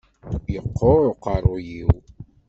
Yeqqur uqerruy-iw.